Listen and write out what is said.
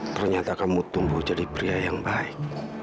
ternyata kamu tumbuh jadi pria yang baik